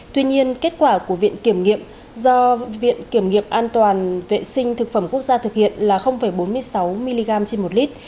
tuy nhiên kết quả của viện kiểm nghiệm do viện kiểm nghiệm an toàn vệ sinh thực phẩm quốc gia thực hiện là bốn mươi sáu mg trên một lít